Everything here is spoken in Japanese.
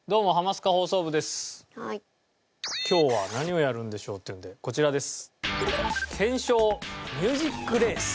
今日は何をやるんでしょう？っていう事でこちらです。